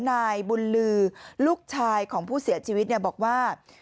นายบุญลือลูกชายของผู้เสียชีวิตบอกว่า